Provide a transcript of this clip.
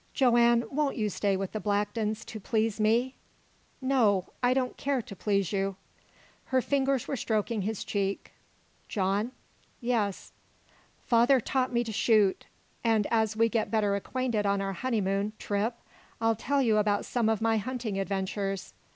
"Joanne, won't you stay with the Blacktons, to please me?" "No. I don't care to please you." Her fingers were stroking his cheek. "John?" "Yes." "Father taught me to shoot, and as we get better acquainted on our honeymoon trip I'll tell you about some of my hunting adventures.